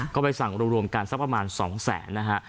ก็ไปสั่งรวมกันสักประมาณ๒๐๐๐๐๐บาทนะฮะ